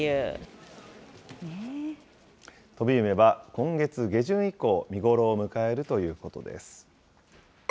飛梅は今月下旬以降、見頃を迎えるということです。